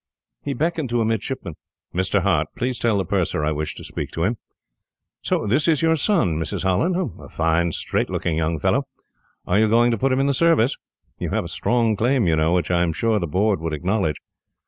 He beckoned to a midshipman. "Mr. Hart, please tell the purser I wish to speak to him. "So this is your son, Mrs. Holland? A fine, straight looking young fellow. Are you going to put him in the Service? You have a strong claim, you know, which I am sure the Board would acknowledge."